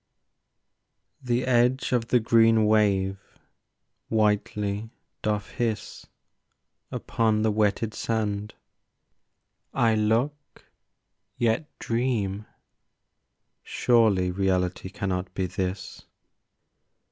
The edge of the green wave whitely doth hiss Upon the wetted sand. I look, yet dream. Surely reality cannot be this!